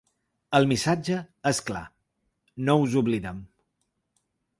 El missatge és clar: No us oblidem.